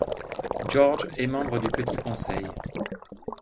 Georg est membre du Petit Conseil.